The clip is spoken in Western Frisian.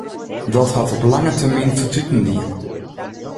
Dat hat op lange termyn fertuten dien.